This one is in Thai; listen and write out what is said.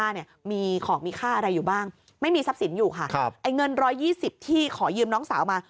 ไอ้เงิน๑๒๐ที่ขอยืมน้องสาวมา